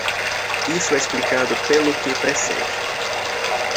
Isso é explicado pelo que precede.